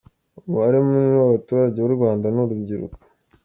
Umubare munini w’abaturage b’u Rwanda ni urubyiruko.